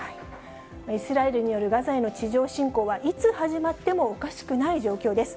イスラエルによるガザへの地上侵攻は、いつ始まってもおかしくない状況です。